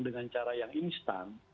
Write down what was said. dengan cara yang instan